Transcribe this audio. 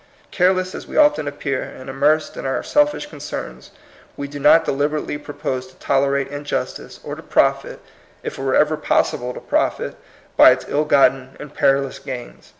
Care less as we often appear, and immersed in our selfish concerns, we do not deliberately propose to tolerate injustice, or to profit, if it were ever possible to profit, by its ill gotten and perilous gains.